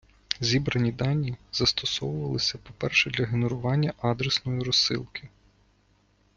Зібрані дані застосовувалися, по - перше, для генерування адресної розсилки.